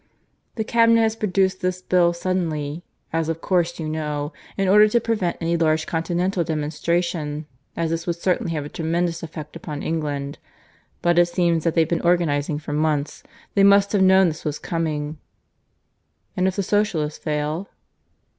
The Cabinet has produced this Bill suddenly, as of course you know, in order to prevent any large Continental demonstration, as this would certainly have a tremendous effect upon England. But it seems that they've been organizing for months. They must have known this was coming ..." "And if the Socialists fail?"